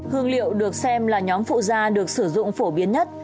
hương liệu được xem là nhóm phụ da được sử dụng phổ biến nhất